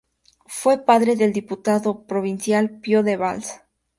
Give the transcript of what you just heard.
Fue padre del diputado provincial Pío de Valls.